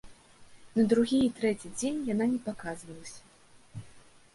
На другі і трэці дзень яна не паказвалася.